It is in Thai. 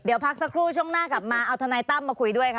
เดี๋ยวพักสักครู่ช่วงหน้ากลับมาเอาทนายตั้มมาคุยด้วยค่ะ